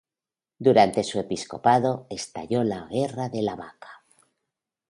Durante su episcopado estalló la guerra de la vaca.